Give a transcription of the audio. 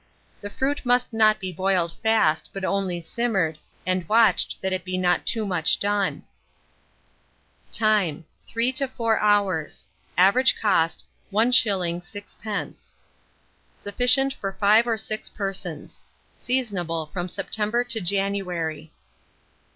The fruit must not be boiled fast, but only simmered, and watched that it be not too much done. Time. 3 to 4 hours. Average cost, 1s. 6d. Sufficient for 5 or 6 persons. Seasonable from September to January.